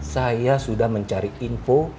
saya sudah mencari info